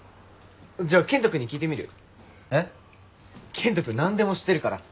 健人君何でも知ってるから。